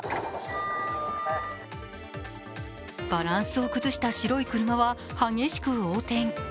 バランスを崩した白い車は激しく横転。